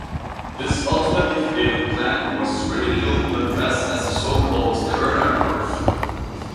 This ultimately failed plan was ridiculed in the press as the so-called Kerner Curve.